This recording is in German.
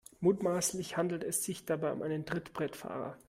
Mutmaßlich handelt es sich dabei um einen Trittbrettfahrer.